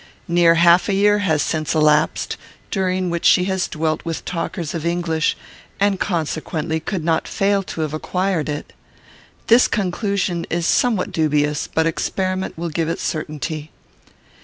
Near half a year has since elapsed, during which she has dwelt with talkers of English, and consequently could not fail to have acquired it. This conclusion is somewhat dubious, but experiment will give it certainty.